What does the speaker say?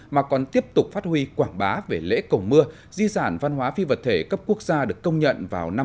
mà còn tiếp tục phát huy quảng bá về lễ cầu mưa di sản văn hóa phi vật thể cấp quốc gia được công nhận vào năm hai nghìn một mươi